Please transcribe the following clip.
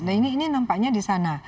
nah ini nampaknya di sana